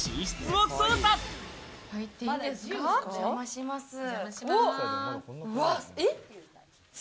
お邪魔します。